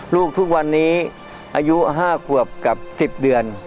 ทุกวันนี้อายุ๕ขวบกับ๑๐เดือน